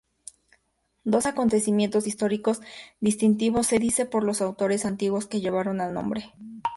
Dos acontecimientos históricos distintivos se dice por los autores antiguos que llevaron al nombre.